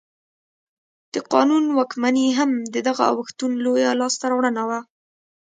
د قانون واکمني هم د دغه اوښتون لویه لاسته راوړنه وه.